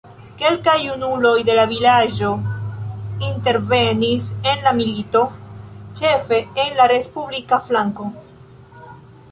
Kelkaj junuloj de la vilaĝo intervenis en la milito, ĉefe en la respublika flanko.